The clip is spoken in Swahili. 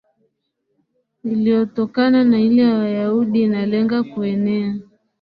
iliyotokana na ile ya Wayahudi inalenga kuenea